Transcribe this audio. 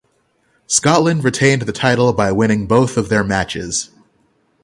Scotland retained the title by winning both their matches.